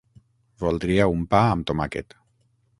Voldria un pa amb tomàquet.